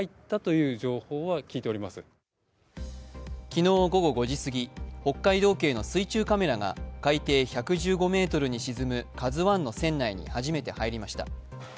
昨日午後５時すぎ、北海道警の水中カメラが海底１１５ｍに沈む「ＫＡＺＵⅠ」の船内に初めて入りました。